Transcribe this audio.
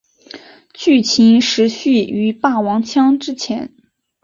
剧情时序于霸王枪之前。